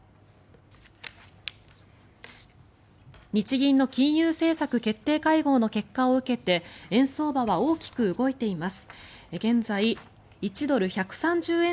日銀の金融政策決定会合の結果を受けて円相場は大きく動いています。